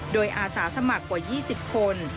โดยอาสาสมัครกว่า๒๐คน